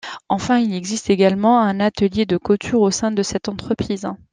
Enfin, il existe également un atelier de couture au sein de cette entreprise.